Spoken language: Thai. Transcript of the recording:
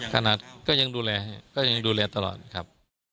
ก็ยังดูแลตลอดครับ